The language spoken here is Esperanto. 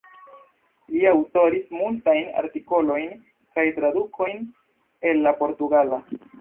Li aŭtoris multajn artikolojn kaj tradukojn el la portugala.